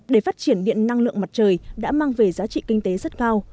để phát triển điện năng lượng mặt trời đã mang về giá trị kinh tế rất cao